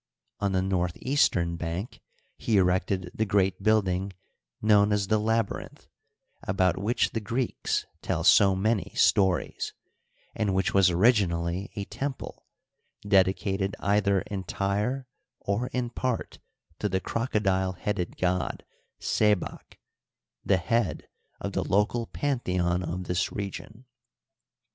On the northeastern bank he erected the g^eat building known as the Labyrinth, about which the Greeks tell so many stories, and which was originally a temple, dedicated either entire or in part to the crocodile headed god Sebaky the head of the local pantheon of this region.